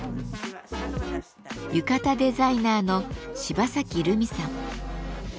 浴衣デザイナーの芝崎るみさん。